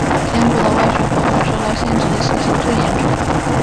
肩部的外旋活动受到限制的情形最严重。